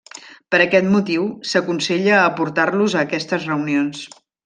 Per aquest motiu, s'aconsella aportar-los a aquestes reunions.